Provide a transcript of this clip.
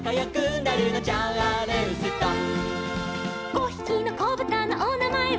「５ひきのこぶたのおなまえは」